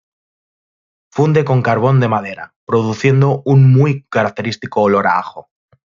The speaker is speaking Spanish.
Funde con carbón de madera, produciendo un muy característico olor a ajo.